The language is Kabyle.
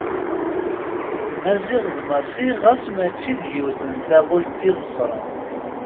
Maziɣ d Massi ɣas mačči d yiwet n taɣult i ḍeffren.